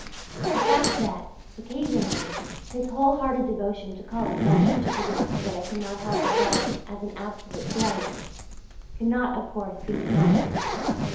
The fact that, occasionally, his whole hearted devotion to colour led him to produce what I cannot help regarding as an absolute failure, cannot, of course, be denied.